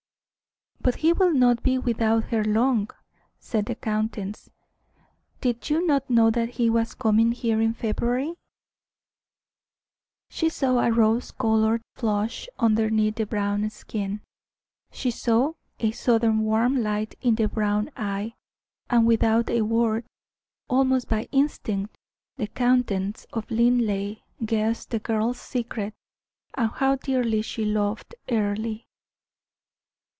"But he will not be without her long," said the countess. "Did you not know that he was coming here in February?" She saw a rose colored flush underneath the brown skin; she saw a sudden warm light in the brown eye; and without a word, almost by instinct, the Countess of Linleigh guessed the girl's secret, and how dearly she loved Earle.